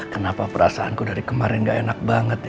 kenapa perasaanku dari kemarin gak enak banget ya